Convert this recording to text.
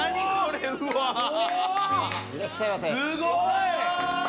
すごい！わ！